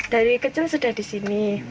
dari kecil sudah di sini